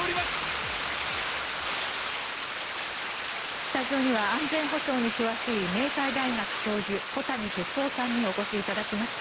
スタジオには安全保障に詳しい明海大学教授、小谷哲男さんにお越しいただきました。